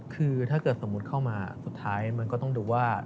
คือถ้าเกิดสมมุติเข้ามาสุดท้ายมันก็ต้องดูว่า